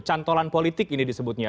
cantolan politik ini disebutnya